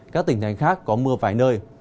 các tỉnh thành khác có mưa vài nơi